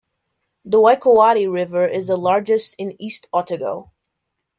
The Waikouaiti River is the largest in East Otago.